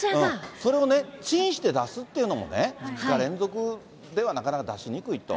それをチンして出すっていうのもね、２日連続ではなかなか出しにくいと。